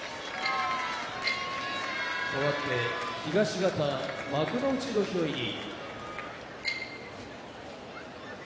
かわって東方幕内土俵入り。